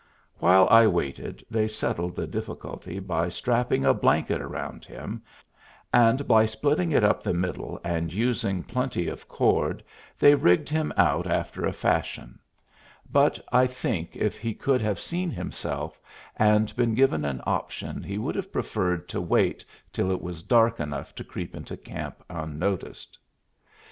While I waited they settled the difficulty by strapping a blanket round him, and by splitting it up the middle and using plenty of cord they rigged him out after a fashion; but I think if he could have seen himself and been given an option he would have preferred to wait till it was dark enough to creep into camp unnoticed.